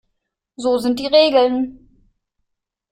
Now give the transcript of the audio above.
So sind die Regeln.